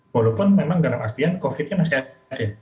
walaupun memang dalam artian covid sembilan belas masih ada